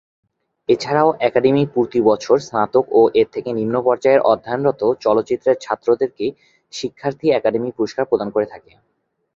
এছাড়াও একাডেমি প্রতি বছর স্নাতক ও এর থেকে নিম্ন পর্যায়ে অধ্যয়নরত চলচ্চিত্রের ছাত্রদেরকে শিক্ষার্থী একাডেমি পুরস্কার প্রদান করে থাকে।